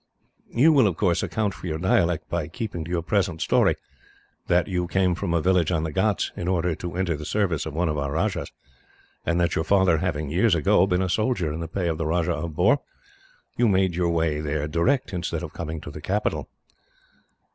You will, of course, account for your dialect by keeping to your present story, that you came from a village on the ghauts, in order to enter the service of one of our rajahs; and that your father having, years ago, been a soldier in the pay of the Rajah of Bohr, you made your way there direct, instead of coming to the capital."